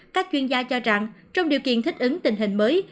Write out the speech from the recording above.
các chuyên gia cho rằng trong điều kiện thích ứng tình hình mới